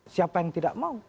siapa yang tidak mau